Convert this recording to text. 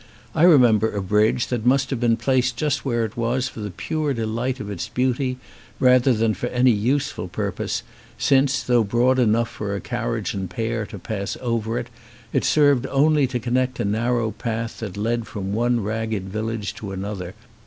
I remember a bridge that must have been placed just where it was for the pure delight of its beauty rather than for any useful purpose, since, though broad enough for a carriage and pair to pass over it, it served only to connect a narrow path that led from one ragged village to another.